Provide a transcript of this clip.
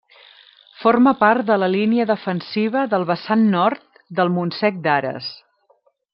Forma part de la línia defensiva del vessant nord del Montsec d'Ares.